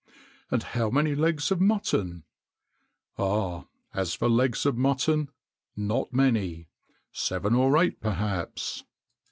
"And how many legs of mutton?" "Ah! as for legs of mutton, not many: seven or eight perhaps."